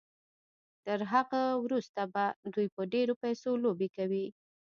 تر هغه وروسته به دوی په ډېرو پيسو لوبې کوي.